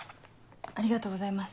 ありがとうございます。